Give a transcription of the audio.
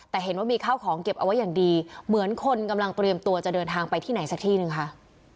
แต่เห็นว่ามีข้าวของเก็บเอาไว้อย่างดีเหมือนคนกำลังเตรียมตัวจะเดินทางไปที่ไหนสักที่หนึ่งค่ะ